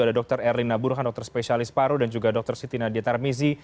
ada dr erlina burhan dokter spesialis paru dan juga dr siti nadia tarmizi